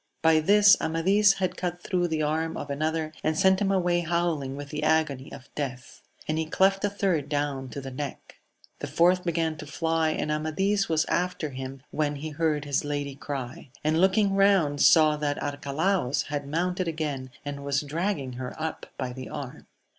By this Amadis had cut thro' the arm of another, and sent him away howling with the agony of death ; and he cleft a third down to the neck. The fourth began to fly, and Amadk was ^^i^x V^mi,^V^Av bq heard his Jady cry : and looVoiv^ xoxoA^ ^a:^ "OoaX* 196 AMADIS OF GAUL. Arcalaus had mounted again, and was dragging her up by the arm.